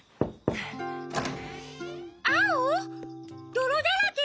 どろだらけだよ。